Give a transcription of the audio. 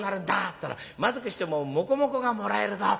ったら『まずくしてももこもこがもらえるぞ』。